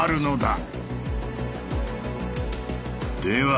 では